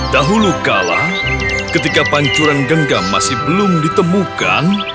dahulu kala ketika pancuran genggam masih belum ditemukan